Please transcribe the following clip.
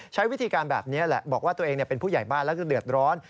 ใช้วิธีการแบบนี้แหละบอกว่าตัวเองเป็นผู้ใหญ่บ้านแล้วก็เดือดร้อน